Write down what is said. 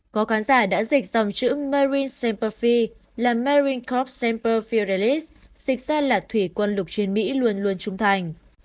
có khán giả đã dịch dòng chữ marine semper fi là marine corps semper fiorellis dịch ra là thủy quân lục trên mỹ luôn luôn trung thành